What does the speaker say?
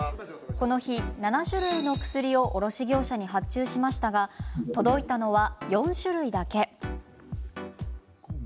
この日、７種類の薬を卸業者に発注しましたが届いたのは、４種類だけ。